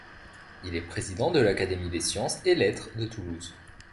Il est président de l'Académie des Sciences et Lettres de Toulouse.